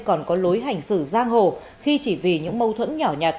còn có lối hành xử giang hồ khi chỉ vì những mâu thuẫn nhỏ nhặt